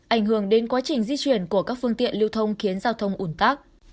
ảnh hưởng đến quá trình di chuyển của các phương tiện lưu thông khiến giao thông ủn tắc